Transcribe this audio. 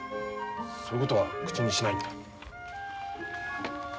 そういうことは口にしないんだ。